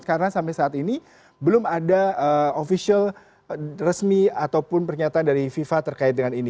karena sampai saat ini belum ada official resmi ataupun pernyataan dari fifa terkait dengan ini